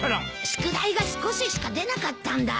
宿題が少ししか出なかったんだ。